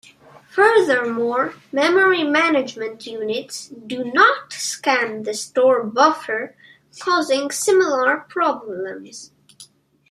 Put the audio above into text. Furthermore, memory management units do not scan the store buffer, causing similar problems.